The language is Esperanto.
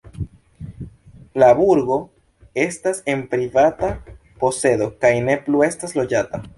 La burgo estas en privata posedo kaj ne plu estas loĝata.